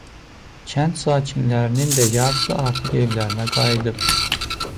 Kənd sakinlərinin də yarısı artıq evlərinə qayıdıb.